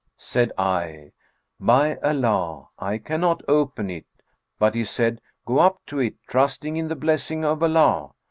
'[FN#436] Said I, 'By Allah, I cannot open it,' but he said, 'Go up to it, trusting in the blessing of Allah.'